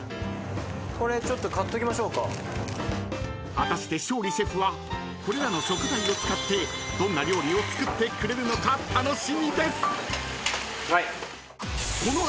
［果たして勝利シェフはこれらの食材を使ってどんな料理を作ってくれるのか楽しみです！］